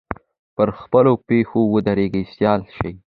پر خپلو پښو ودرېږي سیال شي